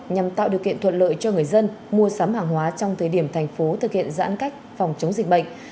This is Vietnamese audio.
nhằm tạo điều kiện thuận lợi cho người dân mua sắm hàng hóa trong thời điểm thành phố thực hiện giãn cách phòng chống dịch bệnh